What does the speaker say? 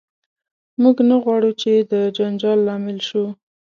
موږ نه غواړو چې د جنجال لامل شو.